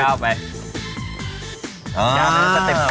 ก้าวไปด้านนั้นสติป